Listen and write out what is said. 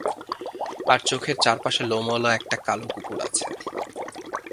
আর চোখের চারপাশে লোমওয়ালা একটা কালো কুকুর আছে।